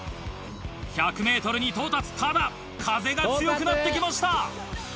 １００ｍに到達ただ風が強くなって来ました。